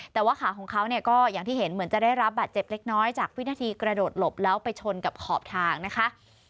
แต่ว่าขาของเขาก็อย่างที่เห็นเหมือนจะได้รับบาดเจ็บเล็กน้อยจากวินาทีกระโดดหลบแล้วไปชนกับขอบทางนะคะ